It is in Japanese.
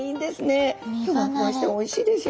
ふわふわしておいしいですよ。